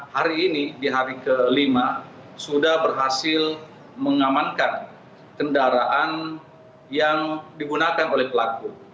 hari ini di hari kelima sudah berhasil mengamankan kendaraan yang digunakan oleh pelaku